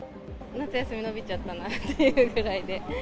夏休み延びちゃったなというぐらいで。